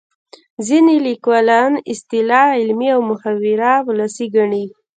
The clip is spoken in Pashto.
ځینې لیکوالان اصطلاح علمي او محاوره ولسي ګڼي